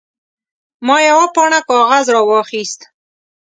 ما یوه پاڼه کاغذ راواخیست.